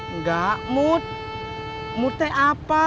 enggak mut mutnya apa